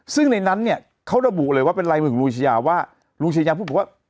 ซึ่งในนั้นเนี่ยเขาระบุเลยว่าเป็นอะไรถึงลูชยาว่าลูชยาพูดบอกว่า